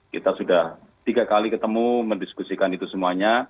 kita sudah tiga kali ketemu mendiskusikan itu semuanya